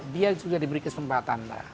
dia sudah diberi kesempatan lah